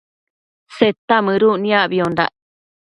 Seta mëduc niacbiondac